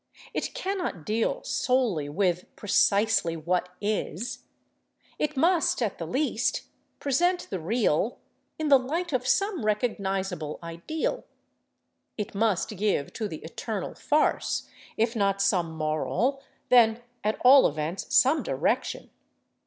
It cannot deal solely with precisely what is. It must, at the least, present the real in the light of some recognizable ideal; it must give to the eternal farce, if not some moral, then at all events some direction.